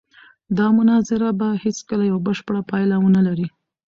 دا مناظره به هېڅکله یوه بشپړه پایله ونه لري.